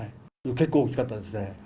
結構大きかったですね。